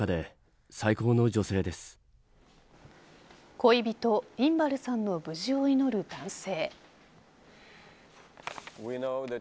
恋人、インバルさんの無事を祈る男性。